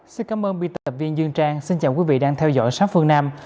xin cảm ơn biên tập viên dương trang xin chào quý vị đang theo dõi sát phương nam